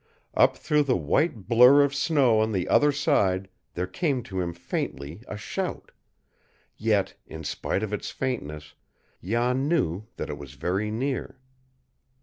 Up through the white blur of snow on the other side there came to him faintly a shout; yet, in spite of its faintness, Jan knew that it was very near.